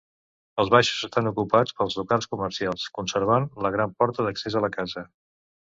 Els baixos estan ocupats per locals comercials, conservant la gran porta d'accés a la casa.